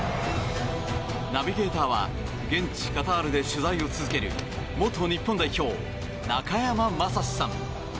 ナビゲーターは現地カタールで取材を続ける元日本代表、中山雅史さん。